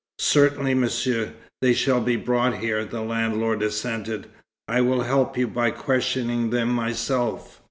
"Certainly, Monsieur. They shall be brought here," the landlord assented. "I will help you by questioning them myself."